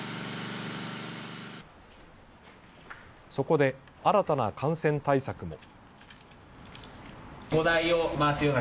そこで新たな感染対策も。